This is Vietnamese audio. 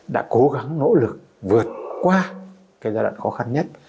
đã cố gắng nỗ lực vượt qua cái giai đoạn khó khăn nhất